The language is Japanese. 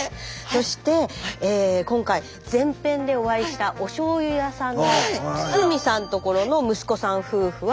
そして今回前編でお会いしたおしょうゆ屋さんの堤さんところの息子さん夫婦は吹奏楽。